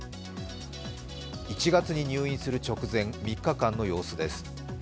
１月に入院する直前、３日間の様子です。